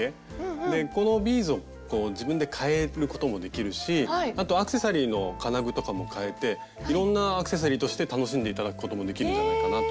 でこのビーズを自分で変えることもできるしあとアクセサリーの金具とかも変えていろんなアクセサリーとして楽しんで頂くこともできるんじゃないかなと思って。